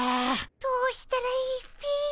どうしたらいいっピ。